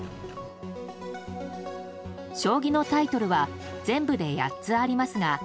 将棋のタイトルは全部で８つありますが。